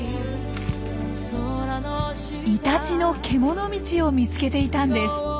イタチのけもの道を見つけていたんです。